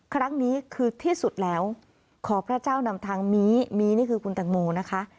ครั้งนี้คือที่สุดแล้วขอพระเจ้านำทางนี้มีนี่คือคุณตังโมนะคะ